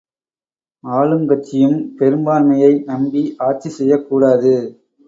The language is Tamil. ஆளுங்கட்சியும் பெரும்பான்மையை நம்பி ஆட்சி செய்யக்கூடாது.